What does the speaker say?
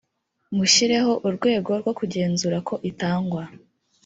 mushyireho urwego rwo kugenzura ko itangwa .